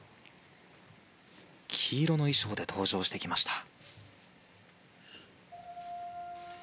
黄色の衣装で登場してきました。